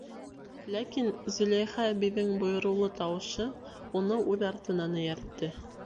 Ләкин Зөләйха әбейҙең бойороулы тауышы уны үҙ артынан эйәртте.